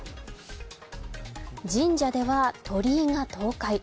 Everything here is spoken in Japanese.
神社では鳥居が倒壊。